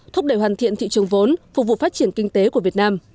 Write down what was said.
thúc đẩy hoàn thiện thị trường vốn phục vụ phát triển kinh tế của việt nam